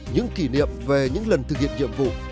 những kỷ niệm về những lần thực hiện nhiệm vụ